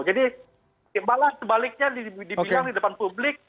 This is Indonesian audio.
jadi balas sebaliknya dibilang di depan publik